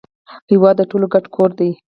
هیواد د ټولو ګډ کور دی